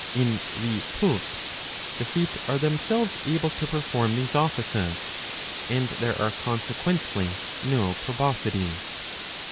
In the Poulps the feet are themselves able to perform these offices, and there are con sequently no proboscides.